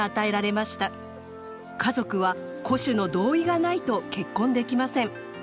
家族は戸主の同意がないと結婚できません。